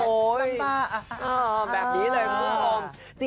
โอ้ยแบบนี้เลย